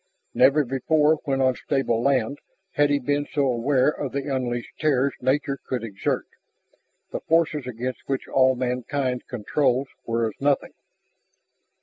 Never before when on stable land had he been so aware of the unleashed terrors nature could exert, the forces against which all mankind's controls were as nothing.